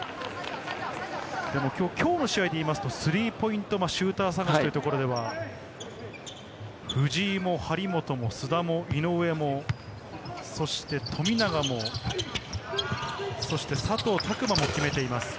今日の試合で言うと、スリーポイントシューター探しというところでは、藤井も張本も須田も井上も、そして富永も、佐藤卓磨も決めています。